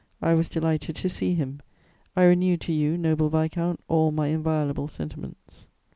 I was delighted to see him. I renew to you, noble viscount, all my inviolable sentiments.